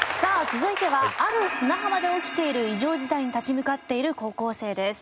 続いてはある砂浜で起きている異常事態に立ち向かっている高校生です。